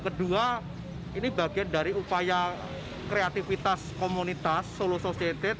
kedua ini bagian dari upaya kreativitas komunitas solo societyd